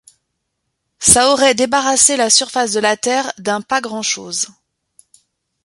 Ça aurait débarrassé la surface de la terre d'un pas grand'chose.